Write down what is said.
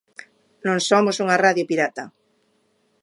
Non somos unha radio pirata.